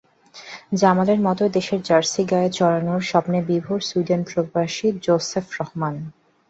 জামালের মতোই দেশের জার্সি গায়ে চরানোর স্বপ্নে বিভোর সুইডেন-প্রবাসী জোসেফ রহমান।